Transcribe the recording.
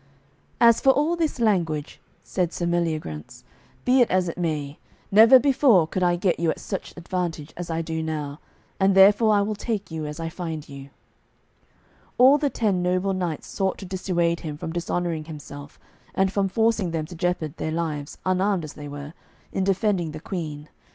"As for all this language," said Sir Meliagrance, "be it as it may, never before could I get you at such advantage as I do now, and therefore I will take you as I find you." All the ten noble knights sought to dissuade him from dishonouring himself and from forcing them to jeopard their lives, unarmed as they were, in defending the Queen.